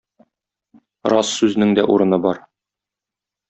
Рас сүзнең дә урыны бар